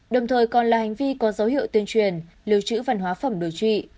đồng thời còn là hành vi có dấu hiệu tuyên truyền lưu trữ văn hóa phẩm đồ trị